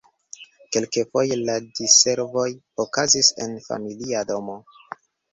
Kelkfoje la diservoj okazis en familia domo.